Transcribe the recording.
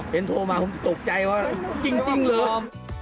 โทรมาผมตกใจว่าจริงเหรอ